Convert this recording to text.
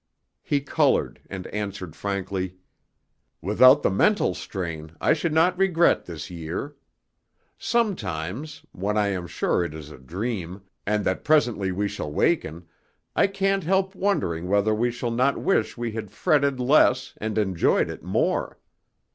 He colored and answered frankly: "Without the mental strain, I should not regret this year. Sometimes, when I am sure it is a dream, and that presently we shall waken, I can't help wondering whether we shall not wish we had fretted less and enjoyed it more.